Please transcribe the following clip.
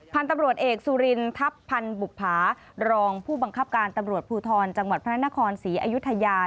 พันธุ์ตำรวจเอกสุรินทัพพันธ์บุภารองผู้บังคับการตำรวจภูทรจังหวัดพระนครศรีอยุธยา